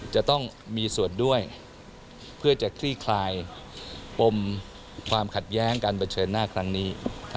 จะต้องมีส่วนด้วยเพื่อจะคลี่คลายปมความขัดแย้งการเผชิญหน้าครั้งนี้